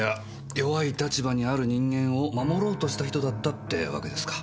弱い立場にある人間を守ろうとした人だったってわけですか。